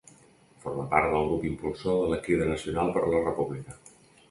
Forma part del grup impulsor de la Crida Nacional per la República.